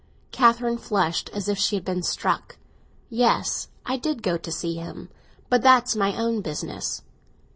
Catherine flushed as if she had been struck. "Yes, I did go to see him! But that's my own business."